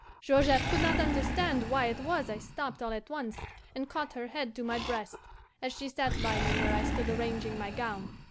"Georgette could not understand why it was I stopped all at once and caught her head to my breast, as she sat by me where I stood arranging my gown.